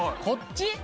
こっち？